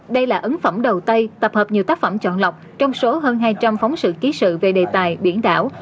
đây là ấn phẩm đầu tay tập hợp nhiều tác phẩm chọn lọc trong số hơn hai trăm linh phóng sự ký sự về đề tài biển đảo